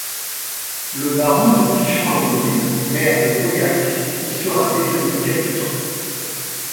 Le baron de Pichon-Longueville, maire de Pauillac, y sera détenu quelque temps.